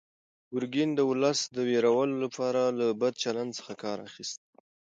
ګورګین د ولس د وېرولو لپاره له بد چلند څخه کار اخیست.